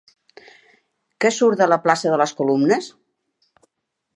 Què surt de la plaça de les Columnes?